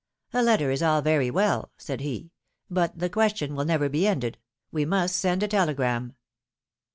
^^A letter is all very well,^^ said he ; but the question will never be ended — we must send a telegram.